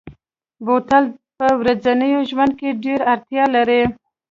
بوتل په ورځني ژوند کې ډېره اړتیا لري.